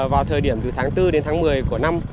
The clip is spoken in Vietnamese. vào thời điểm từ tháng bốn đến tháng một mươi của năm